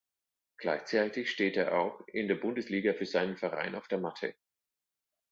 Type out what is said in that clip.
Gleichzeitig steht er auch in der Bundesliga für seinen Verein auf der Matte.